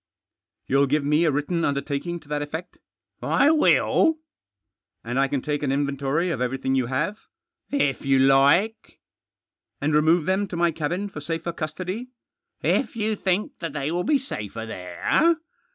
"You'll give me a written undertaking to that effect?" " I will." " And I can take an inventory of everything you have?" Digitized by 270 THE JOSS. " If you like." " And remove them to my cabin for safer custody ?"" IF you think that they will be safer there.